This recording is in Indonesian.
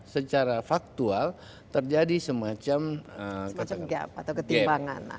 secara faktual terjadi semacam gap atau ketimpangan